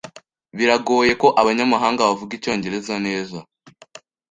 Biragoye ko abanyamahanga bavuga icyongereza neza.